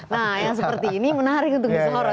nah yang seperti ini menarik untuk disorot